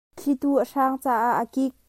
Thlitu a hran caah a kik.